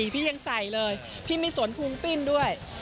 พี่ยังใส่เลยพี่มีสวนพุงปิ้นด้วย